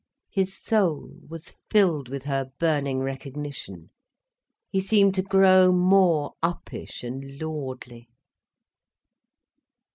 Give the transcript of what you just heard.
His soul was filled with her burning recognition, he seemed to grow more uppish and lordly.